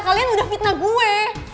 kalian udah fitnah gue